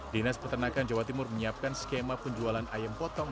dinas peternakan jawa timur menyiapkan skema penjualan ayam potong